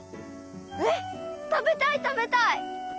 えったべたいたべたい！